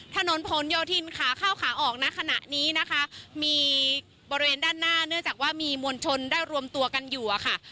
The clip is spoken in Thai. ถนนผลโยธินขาเข้าขาออกนะขณะนี้นะคะมีบริเวณด้านหน้าเนื่องจากว่ามีมวลชนได้รวมตัวกันอยู่อะค่ะ